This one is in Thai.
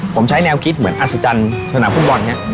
ผมใช้แนวคิดเหมือนอัศจรรย์ชนะฟุตบอลนะ